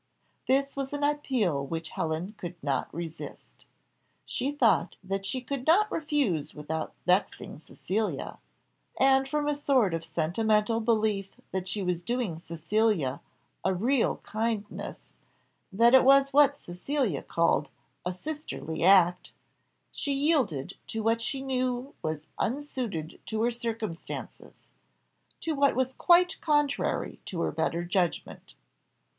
This was an appeal which Helen could not resist. She thought that she could not refuse without vexing Cecilia; and, from a sort of sentimental belief that she was doing Cecilia "a real kindness," that it was what Cecilia called "a sisterly act," she yielded to what she knew was unsuited to her circumstances to what was quite contrary to her better judgment.